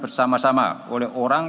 bersama sama oleh orang